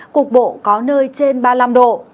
cục bộ có nơi trên ba mươi năm độ